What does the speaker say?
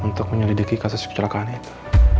untuk menyelidiki kasus kecelakaan itu